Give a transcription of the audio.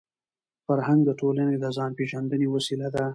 فرهنګ د ټولني د ځان پېژندني وسیله ده.